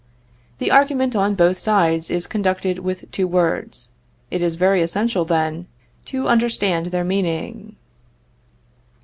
The argument on both sides is conducted with two words. It is very essential, then, to understand their meaning.